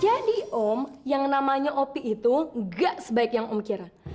jadi om yang namanya opi itu ga sebaik yang om kira